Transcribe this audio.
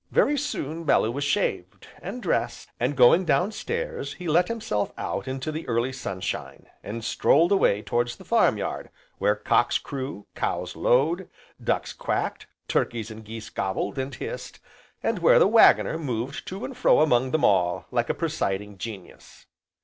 Very soon Bellew was shaved, and dressed, and going down stairs he let himself out into the early sunshine, and strolled away towards the farm yard where cocks crew, cows lowed, ducks quacked, turkeys and geese gobbled and hissed, and where the Waggoner moved to and fro among them all, like a presiding genius.